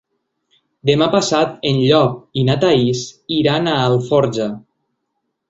Demà passat en Llop i na Thaís iran a Alforja.